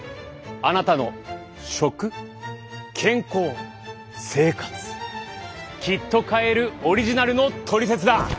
あなたの食健康生活きっと変えるオリジナルのトリセツだ！